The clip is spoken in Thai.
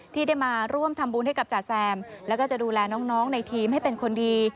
ที่ได้มาร่วมทำบุญให้กับจ๋าแซมแล้วก็จะดูแลน้องในทีมให้เป็นคนดี